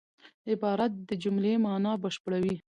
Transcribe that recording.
عبارت د جملې مانا بشپړوي.